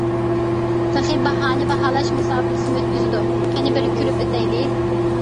تېخى باھانە باھالاش مۇسابىقىسىمۇ ئۆتكۈزىدۇ قېنى بىر كۆرۈپ ئۆتەيلى!